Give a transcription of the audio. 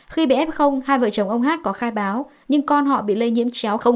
khi bị f hai vợ chồng ông hát có khai báo nhưng con họ bị lây nhiễm